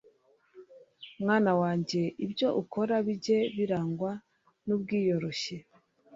mwana wanjye, ibyo ukora bijye birangwa n'ubwiyoroshye